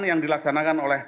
yang dilaksanakan oleh